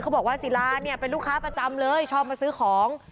บอกว่าศิลาเนี่ยเป็นลูกค้าประจำเลยชอบมาซื้อของ